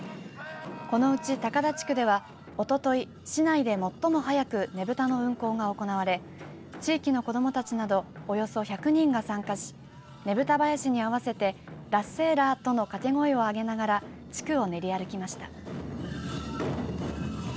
このうち高田地区ではおととい市内で最も早くねぶたの運行が行われ地域の子どもたちなどおよそ１００人が参加しねぶた囃子に合わせてラッセラーとの掛け声を上げながら地区を練り歩きました。